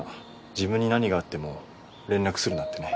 自分に何があっても連絡するなってね。